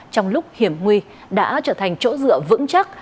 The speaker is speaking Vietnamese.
trong lúc hiểm nguy đã trở thành chỗ dựa vững chắc